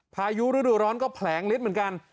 พายุฤดูร้อนก็แผลงฤทธิ์เหมือนกัน